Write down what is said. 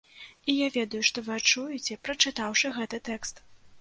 І я ведаю, што вы адчуеце, прачытаўшы гэты тэкст.